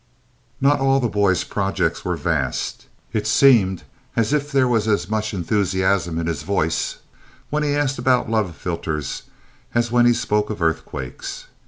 Not all the boy's projects were vast. It seemed as if there was as much enthusiasm in his voice when he asked about love philters as when he spoke of earthquakes.